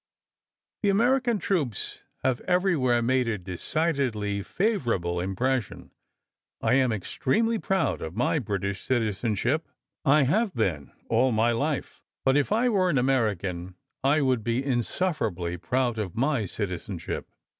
"The American troops have everywhere made a decidedly favorable impression. I am extremely proud of my British citizenship, I have been all my life, but if I were an American I would be insufferably proud of my citizenship.